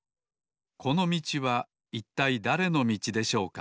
このみちはいったいだれのみちでしょうか？